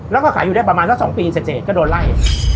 แล้วก็ขายอยู่ได้ประมาณสัก๒ปีเสร็จก็โดนไล่